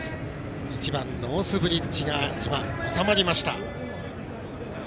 １番、ノースブリッジが収まりました。